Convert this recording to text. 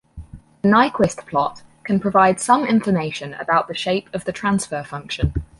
The Nyquist plot can provide some information about the shape of the transfer function.